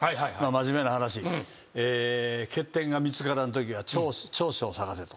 真面目な話欠点が見つからんときは長所を探せと。